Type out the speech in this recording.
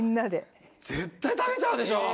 絶対食べちゃうでしょう。